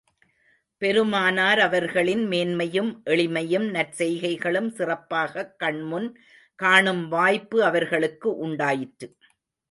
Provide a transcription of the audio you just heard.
பெருமானார் அவர்களின் மேன்மையும், எளிமையும், நற்செய்கைகளும் சிறப்பாகக் கண் முன் காணும் வாய்ப்பு அவர்களுக்கு உண்டாயிற்று.